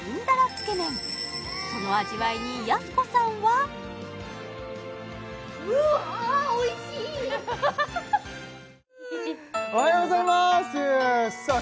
つけ麺その味わいにやす子さんはおはようございますさあ